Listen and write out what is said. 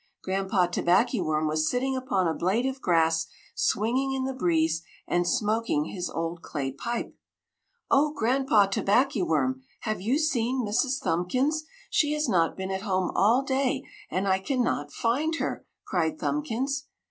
Granpa Tobackyworm was sitting upon a blade of grass, swinging in the breeze and smoking his old clay pipe. "Oh, Granpa Tobackyworm! Have you seen Mrs. Thumbkins? She has not been at home all day and I can not find her!" cried Thumbkins.